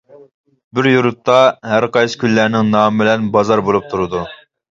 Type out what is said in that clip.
بىر يۇرتتا ھەرقايسى كۈنلەرنىڭ نامى بىلەن بازار بولۇپ تۇرىدۇ.